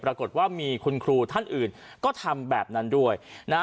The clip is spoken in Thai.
ปรากฏว่ามีคุณครูท่านอื่นก็ทำแบบนั้นด้วยนะฮะ